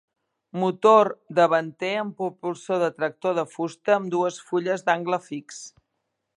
Motor davanter amb propulsor de tractor de fusta amb dues fulles d'angle fix.